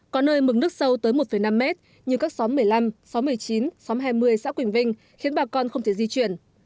có nơi mừng nước sâu tới một năm mét như các xóm một mươi năm xóm một mươi chín xóm hai mươi xã quỳnh vinh khiến bà con không thể di chuyển